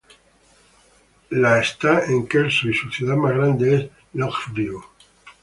La está en Kelso, y su ciudad más grande es Longview.